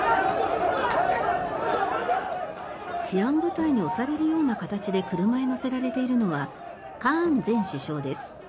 治安部隊に押されるような形で車へ乗せられているのはカーン前首相です。